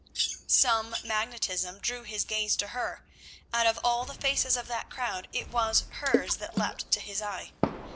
Some magnetism drew his gaze to her; out of all the faces of that crowd it was hers that leapt to his eye.